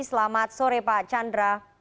selamat sore pak chandra